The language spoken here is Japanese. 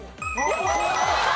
お見事！